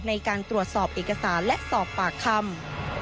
ในการตรวจสอบเอกสารและสอบปากคำ